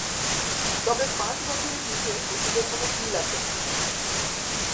তবে পাঁচ বছরের নিচে শিশুদের কোনো ফি লাগবে না।